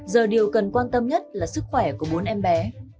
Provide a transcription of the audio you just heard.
giờ điều cần quan tâm nhất là sức khỏe của bốn em bé